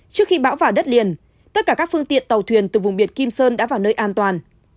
trước khi bão vào đất liền tất cả các phương tiện tàu thuyền từ vùng biển kim sơn đã vào nơi an toàn